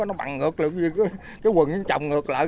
nó bằng ngược luôn cái quần nó trồng ngược lại